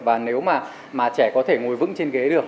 và nếu mà trẻ có thể ngồi vững trên ghế được